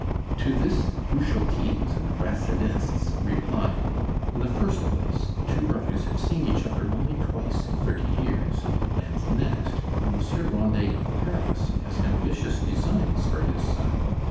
To this the Cruchotines and the Grassinists replied: "In the first place, the two brothers have seen each other only twice in thirty years; and next, Monsieur Grandet of Paris has ambitious designs for his son.